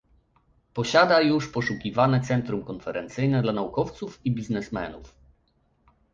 posiada już poszukiwane centrum konferencyjne dla naukowców i biznesmenów